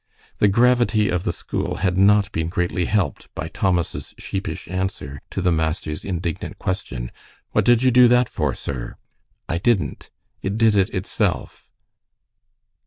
The gravity of the school had not been greatly helped by Thomas sheepish answer to the master's indignant question, "What did you do that for, sir?" "I didn't; it did itself."